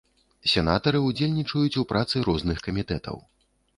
Сенатары ўдзельнічаюць у працы розных камітэтаў.